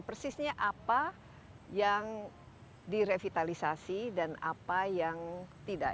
persisnya apa yang direvitalisasi dan apa yang tidak